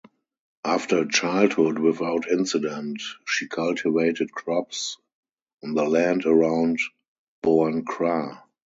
After a childhood without incident, she cultivated crops on the land around Boankra.